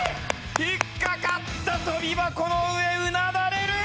引っ掛かった跳び箱の上うな垂れる！